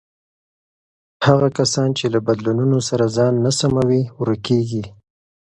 هغه کسان چې له بدلونونو سره ځان نه سموي، ورکېږي.